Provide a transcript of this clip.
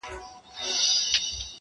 ما پرون د ګل تصویر جوړ کړ ته نه وې.!